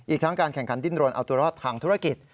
ทั้งการแข่งขันดิ้นรนเอาตัวรอดทางธุรกิจ